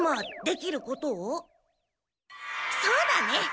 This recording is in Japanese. そうだね。